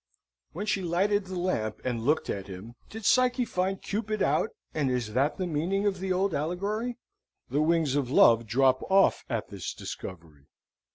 When she lighted the lamp and looked at him, did Psyche find Cupid out; and is that the meaning of the old allegory? The wings of love drop off at this discovery.